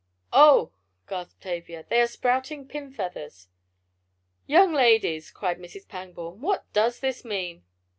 "Oh!" gasped Tavia, "they are sprouting pin feathers!" "Young ladies!" cried Mrs. Pangborn. "What does this mean?"